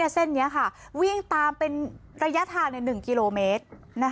เส้นนี้ค่ะวิ่งตามเป็นระยะทาง๑กิโลเมตร